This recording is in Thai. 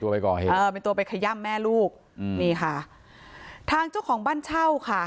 เป็นตัวไปขย่ำแม่ลูกนี่ค่ะทางเจ้าของบ้านเช่าค่ะ